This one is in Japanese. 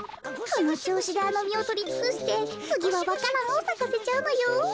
このちょうしであのみをとりつくしてつぎはわか蘭をさかせちゃうのよ。